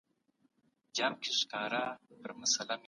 ورزش کول عمر اوږدوي.